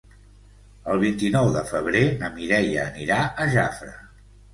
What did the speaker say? El vint-i-nou de febrer na Mireia anirà a Jafre.